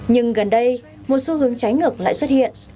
nhưng gần đây một xu hướng trái ngược lại xuất hiện